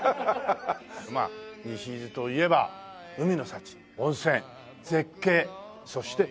まあ西伊豆といえば海の幸温泉絶景そして夕日という。